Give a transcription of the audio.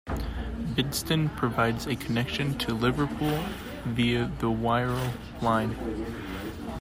Bidston provides a connection to Liverpool via the Wirral Line.